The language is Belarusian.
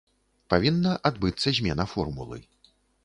Павінна адбыцца змена формулы.